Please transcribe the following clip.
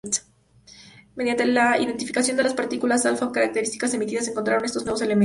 Mediante la identificación de las partículas alfa características emitidas encontraron estos nuevos elementos.